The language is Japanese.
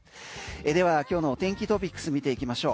では今日の天気トピックス見ていきましょう。